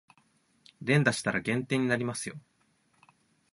連打したら減点になりますよ